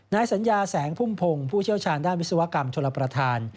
นายสัญญาแสงพุ่มพงศ์ผู้เชี่ยวชาญด้านวิศวกรรมชลประธาน